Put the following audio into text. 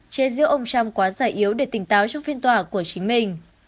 chê giữ ông trump quá dài yếu để tỉnh táo trong phiên tòa của chính mình